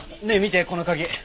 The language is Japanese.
ねえ見てこの鍵